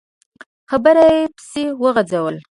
خبره يې پسې وغځوله.